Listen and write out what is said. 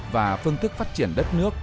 và phương thức phát triển đất nước